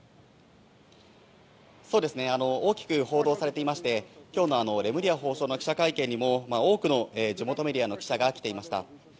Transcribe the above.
大きく報道されていまして今日のレムリヤ法相の記者会見にも多くの地元メディアの記者が来ていました。